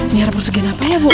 nyara pesugihan apa ya bu